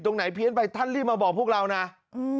ตรงไหนเพี้ยนไปท่านรีบมาบอกพวกเรานะอืม